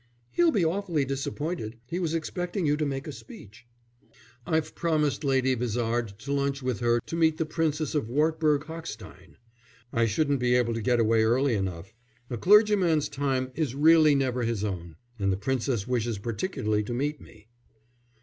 "He'll be awfully disappointed. He was expecting you to make a speech." "I've promised Lady Vizard to lunch with her to meet the Princess of Wartburg Hochstein. I shouldn't be able to get away early enough. A clergyman's time is really never his own, and the Princess wishes particularly to meet me."